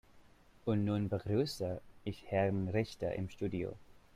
Und nun begrüße ich Herrn Richter im Studio.